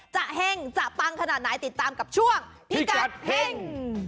เห็งจะปังขนาดไหนติดตามกับช่วงพิกัดเฮ่ง